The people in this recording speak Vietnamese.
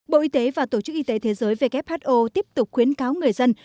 bộ y tế và tổ chức y tế thế giới who tiếp tục khuyến cáo người dân